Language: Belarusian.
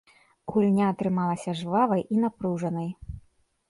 Гульня атрымалася жвавай і напружанай.